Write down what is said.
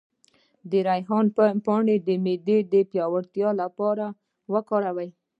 د ریحان پاڼې د معدې د پیاوړتیا لپاره وکاروئ